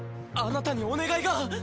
あなたにお願いが。